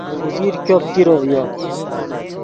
اوزیر ګوپ تیرو ڤیو